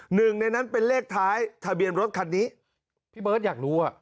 หนึ่งในนั้นเป็นเลขท้ายทะเบียนรถคันนี้พี่เบิร์ตอยากรู้อ่ะ